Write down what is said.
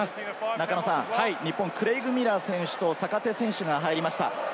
日本、クレイグ・ミラー選手と坂手選手が入りました。